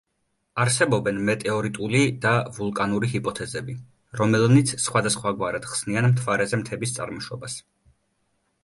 არსებობენ მეტეორიტული და ვულკანური ჰიპოთეზები, რომელნიც სხვადასხვაგვარად ხსნიან მთვარეზე მთების წარმოშობას.